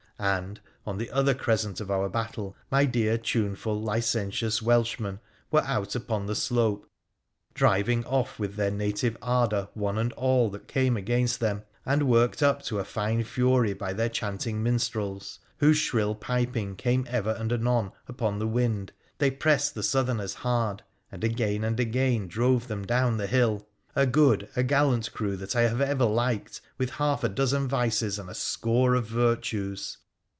And, on the other crescent of our battle, my dear, tuneful, licentious Welshmen were out upon the slope, driving off with their native ardour one and all that came against them, and, worked up to a fine fury by their chanting minstrels, whose 205 WONDERFUL ADVENTURES OP shrill piping came ever and anon upon the wind, they pressed the Southt rners hard, and again and again drove them down the hill — a good, a gallant crew that I have ever liked, with half a dozen vices and a score of virtues